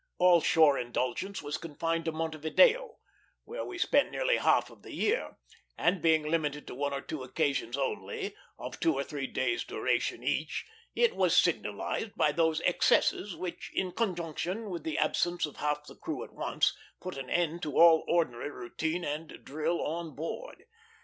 All shore indulgence was confined to Montevideo, where we spent near half of the year; and being limited to one or two occasions only, of two or three days duration each, it was signalized by those excesses which, in conjunction with the absence of half the crew at once, put an end to all ordinary routine and drill on board.